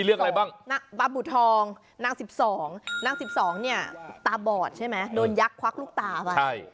เพราะว่านาง๑๒บาบุทองนาง๑๒นาง๑๒เนี่ยตาบอดใช่ไหมโดนยักษ์ควักลูกตาไป